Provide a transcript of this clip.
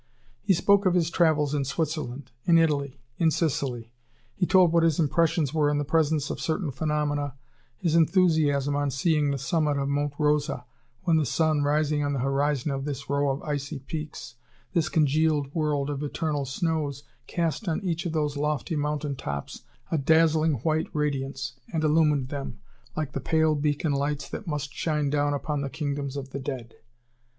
He spoke of his travels in Switzerland, in Italy, in Sicily. He told what his impressions were in the presence of certain phenomena, his enthusiasm on seeing the summit of Monte Rosa, when the sun, rising on the horizon of this row of icy peaks, this congealed world of eternal snows, cast on each of those lofty mountain tops a dazzling white radiance, and illumined them, like the pale beacon lights that must shine down upon the kingdoms of the dead.